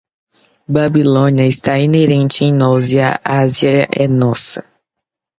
Babilônia está inerente em nós e a Assíria é nossa